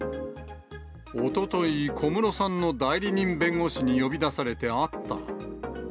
おととい、小室さんの代理人弁護士に呼び出されて会った。